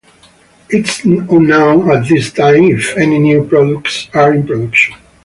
It is unknown at this time if any new products are in production.